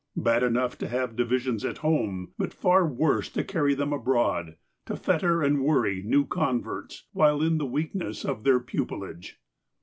Bad enough to have divisions at home, but far worse to carry them abroad, to fetter and worry new converts, while in the weakness of their pupilage.